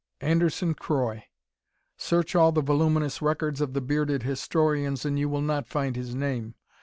Anderson Croy. Search all the voluminous records of the bearded historians, and you will not find his name.